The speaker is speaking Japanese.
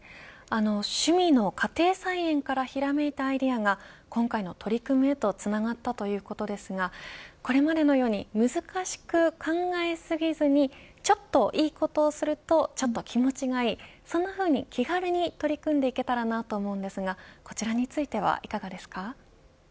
趣味の家庭菜園からひらめいたアイデアが今回の取り組みへとつながったということですがこれまでのように難しく考え過ぎずにちょっといいことをするとちょっと気持ちがいいそんなふうに気軽に取り組んでいていけたらなと思うんですがこちらについてはいかがですか。